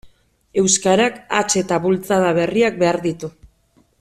Euskarak hats eta bultzada berriak behar ditu.